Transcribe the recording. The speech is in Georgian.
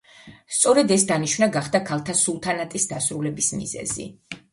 სწორედ ეს დანიშვნა გახდა ქალთა სულთანატის დასრულების მიზეზი.